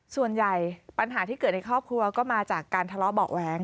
ส่วนใหญ่ปัญหาที่เกิดในครอบครัวก็มาจากการทะเลาะเบาะแว้ง